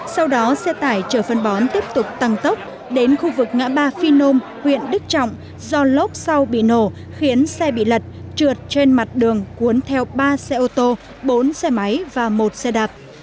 sau đó xe tải chở phân bón tiếp tục tăng tốc đến khu vực ngã ba phi nôm huyện đức trọng do lốc sau bị nổ khiến xe bị lật trượt trên mặt đường cuốn theo ba xe ô tô bốn xe máy và một xe đạp